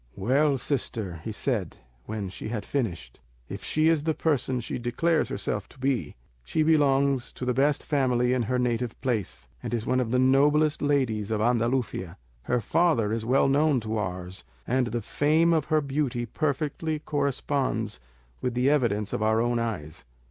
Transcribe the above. "Well, sister," he said when she had finished, "if she is the person she declares herself to be, she belongs to the best family in her native place, and is one of the noblest ladies of Andalusia. Her father is well known to ours, and the fame of her beauty perfectly corresponds with the evidence of our own eyes.